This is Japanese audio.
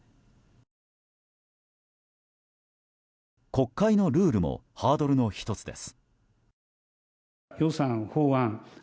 国会のルールもハードルの１つです。